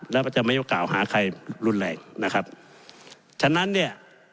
แล้วก็จะไม่กล่าวหาใครรุนแรงนะครับฉะนั้นเนี่ย